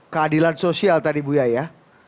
keadilan sosial tadi bu yaya ya